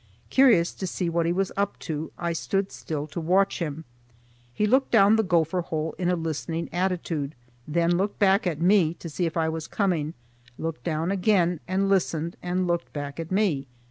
Curious to see what he was up to, I stood still to watch him. He looked down the gopher hole in a listening attitude, then looked back at me to see if I was coming, looked down again and listened, and looked back at me.